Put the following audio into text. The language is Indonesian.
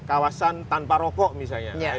kawasan tanpa rokok misalnya